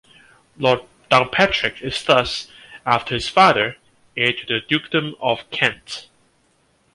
Lord Downpatrick is thus, after his father, heir to the Dukedom of Kent.